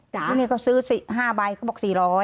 ฉะนั้นก็ซื้อ๕ใบก็บอก๔๐๐